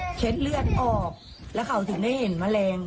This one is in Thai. เช็ดเลือดออกแล้วเขาถึงได้เห็นแมลง